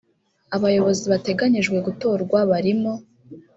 Abayobozi bateganyijwe gutorwa barimo